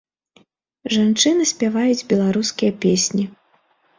Жанчыны спяваюць беларускія песні.